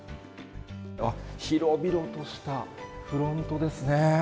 広々としたフロントですね。